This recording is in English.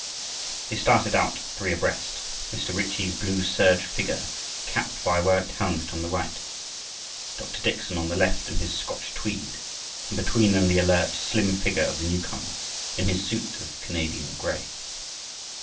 They started out three abreast, Mr. Ritchie's blue serge figure capped by a white helmet on the right, Dr. Dickson on the left in his Scotch tweed, and between them the alert, slim figure of the newcomer, in his suit of Canadian gray.